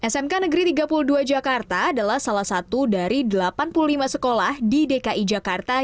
smk negeri tiga puluh dua jakarta adalah salah satu dari delapan puluh lima sekolah di dki jakarta